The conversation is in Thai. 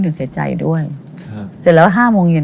หนูเสียใจด้วยเสร็จแล้ว๕โมงเย็น